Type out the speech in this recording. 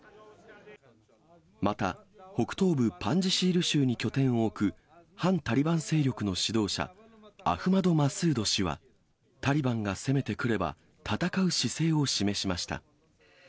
また、北東部パンジシール州に拠点を置く、反タリバン勢力の指導者、アフマド・マスード氏は、タリバンが攻めてくれば、戦う姿勢を示しました。